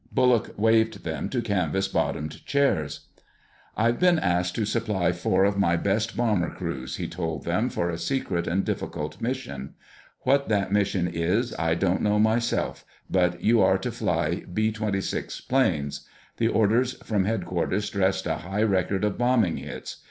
Bullock waved them to canvas bottomed chairs. "I've been asked to supply four of my best bomber crews," he told them, "for a secret and difficult mission. What that mission is I don't know myself, but you are to fly B 26 planes. The orders from headquarters stressed a high record of bombing hits.